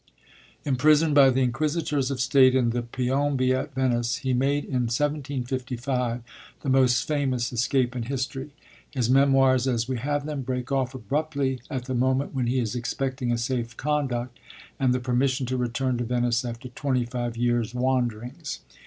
Imprisoned by the Inquisitors of State in the Piombi at Venice, he made, in 1755, the most famous escape in history. His Memoirs, as we have them, break off abruptly at the moment when he is expecting a safe conduct, and the permission to return to Venice after twenty years' wanderings.